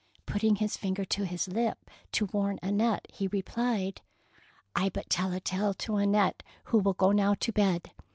Putting his finger to his lip to warn Annette, he replied, —" I but tell a tale to Annette, who will go now to bed."